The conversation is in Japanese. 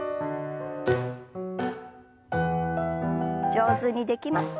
上手にできますか？